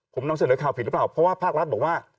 ผมนำเสนอข่าวผิดหรือเปล่าเพราะว่าภาครัฐบอกว่า